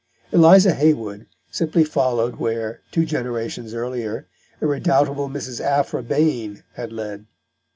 Eliza Haywood simply followed where, two generations earlier, the redoubtable Mrs. Aphra Behn had led.